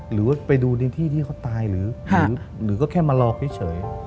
หรือว่าไปดูในที่ที่เขาตายหรือก็แค่มารอเฉย